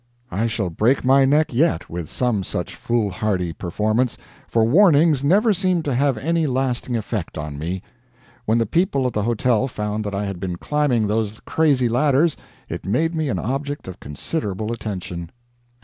I shall break my neck yet with some such foolhardy performance, for warnings never seem to have any lasting effect on me. When the people of the hotel found that I had been climbing those crazy Ladders, it made me an object of considerable attention.